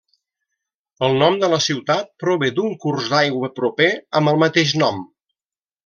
El nom de la ciutat prové d'un curs d'aigua proper amb el mateix nom.